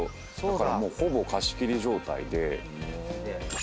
だからもうほぼ貸し切り状態で。